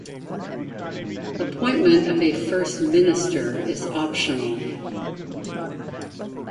Appointment of a First Minister is optional.